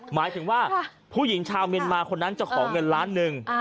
หมายถึงว่าผู้หญิงชาวเมียนมาคนนั้นจะขอเงินล้านหนึ่ง